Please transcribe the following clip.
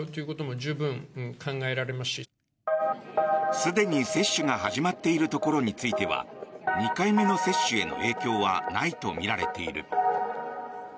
すでに接種が始まっているところについては２回目の接種への影響はないとみられている。